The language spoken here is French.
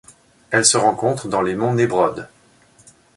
Elle se rencontre dans les monts Nébrodes.